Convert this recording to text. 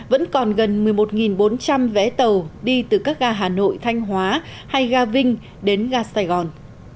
vẫn còn gần một mươi một bốn trăm linh vé tàu đi từ các ga hà nội thanh hóa hay ga vinh đến ga sài gòn